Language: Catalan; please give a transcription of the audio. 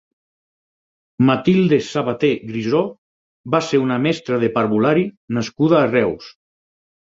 Matilde Sabaté Grisó va ser una mestra de parvulari nascuda a Reus.